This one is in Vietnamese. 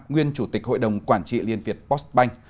nguyên chủ tịch hội đồng quản trị liên việt postbank